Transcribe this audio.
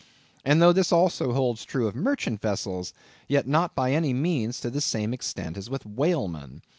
And though this also holds true of merchant vessels, yet not by any means to the same extent as with whalemen.